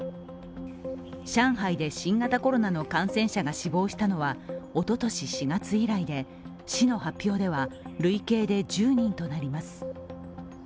上海で新型コロナの感染者が死亡したのはおととし４月以来で、市の発表では累計で１０人となります。